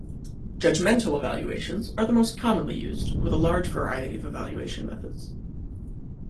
Judgmental evaluations are the most commonly used with a large variety of evaluation methods.